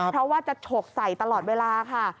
เพราะว่าจะฉกใส่ตลอดเวลาค่ะ